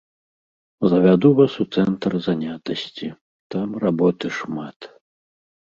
Завяду вас у цэнтр занятасці, там работы шмат.